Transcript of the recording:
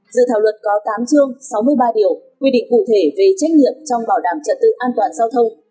dự thảo luật có tám chương sáu mươi ba điều quy định cụ thể về trách nhiệm trong bảo đảm trật tự an toàn giao thông